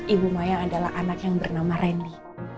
ibu maya adalah anak yang bernama randy